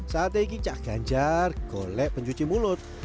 saat ini cak ganjar golek pencuci mulut